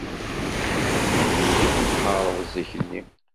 Mmekti-d d wegdud-ik i d-tḥeṛṛeḍ zik nni.